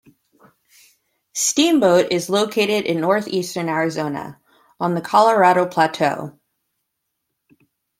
Steamboat is located in northeastern Arizona on the Colorado Plateau.